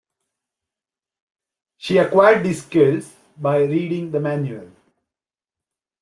She acquired these skills by reading the manual.